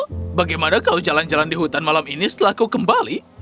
oh bagaimana kau jalan jalan di hutan malam ini setelah kau kembali